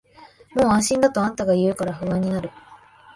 もう安心だとあんたが言うから不安になる